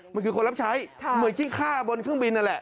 มันคือคนรับใช้เหมือนที่ฆ่าบนเครื่องบินนั่นแหละ